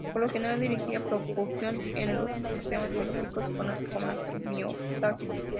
Por lo general, dirigida propulsión en los sistemas biológicos se conoce como la quimiotaxis.